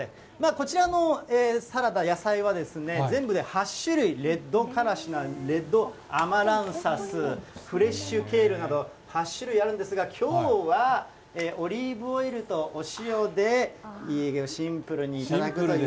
こちらのサラダ、野菜は、全部で８種類、レッドカラシナ、レッドアマランサス、フレッシュケールなど８種類あるんですが、きょうはオリーブオイルとお塩でシンプルに頂くという。